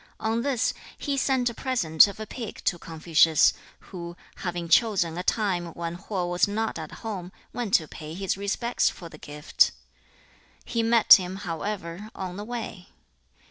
On this, he sent a present of a pig to Confucius, who, having chosen a time when Ho was not at home, went to pay his respects for the gift. He met him, however, on the way.